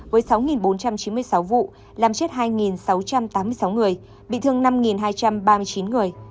với sáu bốn trăm chín mươi sáu vụ làm chết hai sáu trăm tám mươi sáu người bị thương năm hai trăm ba mươi chín người